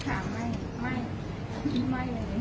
เขากินอะไรทุกป่อม